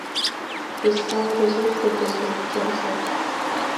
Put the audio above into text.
Беслан дызусҭадаз урҭ рзы.